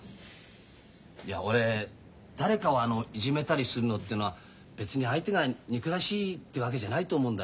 いや俺誰かをあのいじめたりするのっていうのは別に相手が憎らしいってわけじゃないと思うんだよ。